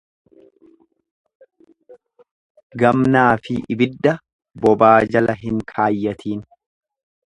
Gamnaafi ibidda bobaa jala hin kaayyatiin.